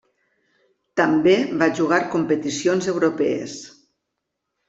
També va jugar competicions europees.